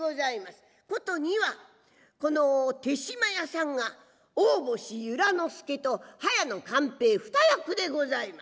殊にはこの豊島屋さんが大星由良助と早野勘平二役でございます。